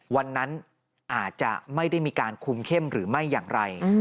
วันนั้นอาจจะไม่ได้มีการคุมเข้มหรือไม่อย่างไร